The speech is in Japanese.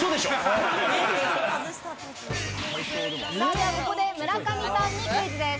ではここで村上さんにクイズです。